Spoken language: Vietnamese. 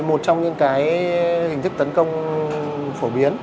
một trong những hình thức tấn công phổ biến